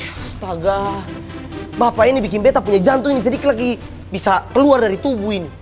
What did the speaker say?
astaga bapak ini bikin bete punya jantung sedikit lagi bisa keluar dari tubuh ini